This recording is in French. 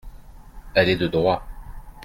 Elle est de droit.